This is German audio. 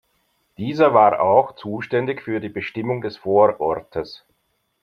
Dieser war auch zuständig für die Bestimmung des Vorortes.